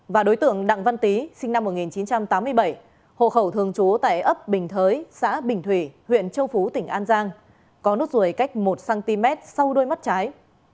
và đối tượng đặng văn tý sinh năm một nghìn chín trăm tám mươi bảy hộ khẩu thường trú tại ấp bình thới xã bình thủy huyện châu phú tỉnh an giang có nốt ruồi cách một cm sau đuôi mắt trái